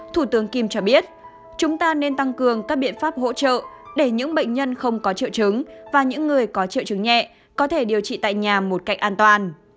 thủ tướng kim cho biết chúng ta nên tăng cường các biện pháp hỗ trợ để những bệnh nhân không có triệu chứng và những người có triệu chứng nhẹ có thể điều trị tại nhà một cách an toàn